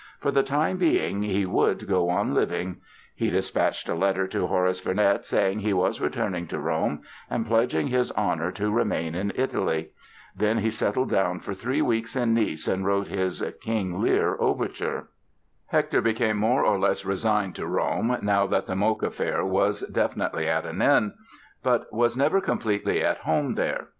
For the time being he would go on living! He dispatched a letter to Horace Vernet saying he was returning to Rome and pledging his honor to remain in Italy. Then he settled down for three weeks in Nice and wrote his "King Lear" Overture. Hector became more or less resigned to Rome, now that the Moke affair was definitely at an end; but was never completely at home there.